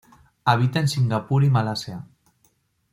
Habita en Singapur y Malasia.